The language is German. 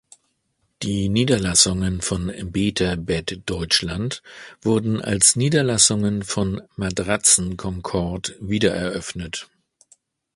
Die Niederlassungen von "Beter Bed Deutschland" wurden als Niederlassungen von "Matratzen Concord" wiedereröffnet.